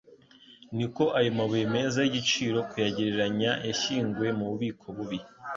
Niko ayo mabuye meza y'igiciro kuyagereranya yashyinguwe mu bubiko bubi.